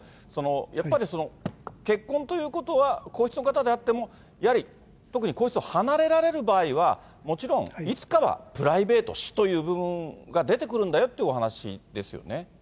やっぱり、結婚ということは、皇室の方であっても、やはり、特に皇室を離れられる場合は、もちろん、いつかはプライベート、私という部分が出てくるんだよというお話ですよね。